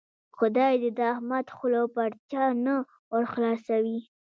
خدای دې د احمد خوله پر چا نه ور خلاصوي.